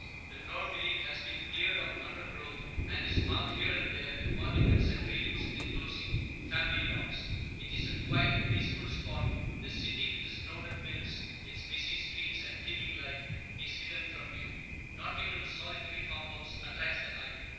The ground beneath has been cleared of undergrowth, and is marked here and there with monuments and railings enclosing "family lots." It is a quiet, peaceful spot; the city, with its crowded mills, its busy streets and teeming life, is hidden from view; not even a solitary farm house attracts the eye.